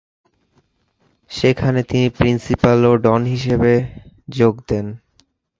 সেখানে তিনি প্রিন্সিপাল ও ডিন হিসেবে হিসেবে যোগ দেন।